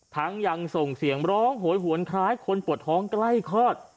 ยังส่งเสียงร้องโหยหวนคล้ายคนปวดท้องใกล้คลอด